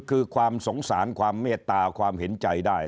คือความสงสารความเมตตาความเห็นใจได้